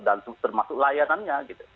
dan termasuk layanannya